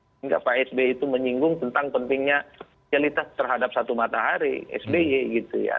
sehingga pak sby itu menyinggung tentang pentingnya realitas terhadap satu matahari sby gitu ya